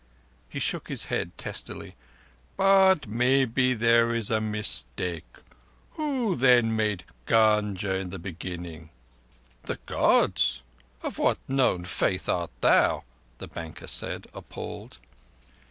He shook his head testily. "But maybe there is a mistake. Who, then, made Gunga in the beginning?" "The Gods. Of what known faith art thou?" the banker said, appalled.